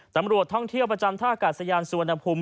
ตำรวจท่องเที่ยวประจำท่ากาศยานสุวรรณภูมิ